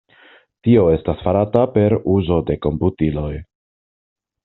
Tio estas farata per uzo de komputiloj.